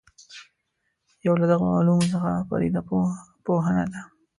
یو له دغو علومو څخه پدیده پوهنه ده.